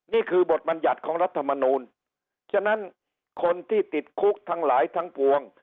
นี่คือบทบรรยัติของรัฐมนูลฉะนั้นคนที่ติดคุกทั้งหลายทั้งปวง